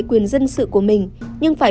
quyền dân sự của mình nhưng phải